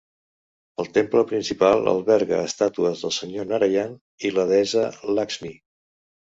El temple principal alberga estàtues del Senyor Narayan i la Deessa Lakshmi.